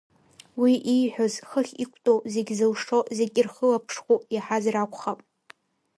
Уи ииҳәоз хыхь иқәтәоу, зегь зылшо, зегьы ирхылаԥшхәу иаҳазар акәхап.